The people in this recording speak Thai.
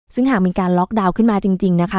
ซึ่งหากมีการล็อกดาวน์ขึ้นมาจริงนะคะ